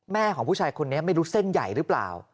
ของผู้ชายคนนี้ไม่รู้เส้นใหญ่หรือเปล่า